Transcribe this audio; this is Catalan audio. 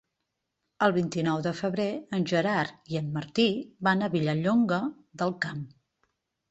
El vint-i-nou de febrer en Gerard i en Martí van a Vilallonga del Camp.